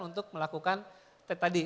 untuk melakukan tadi